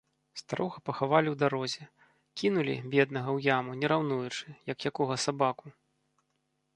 Старога пахавалі ў дарозе, кінулі, беднага, у яму, не раўнуючы, як якога сабаку.